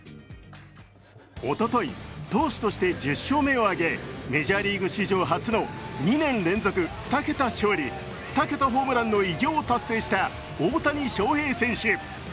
おととい、投手として１０勝目を挙げメジャーリーグ史上初の２年連続２桁勝利・２桁ホームランの偉業を達成した大谷翔平選手。